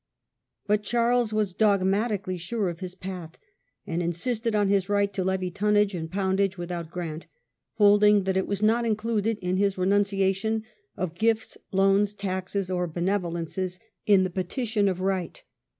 But Charles was dogmatically sure of his path, and in sisted on his right to levy tunnage and poundage without Religious and S*"^"^' holding that it was not included in his financial renunciation of " gifts, loans, taxes, or bene grievanccs. yolences " in the Petition of Right.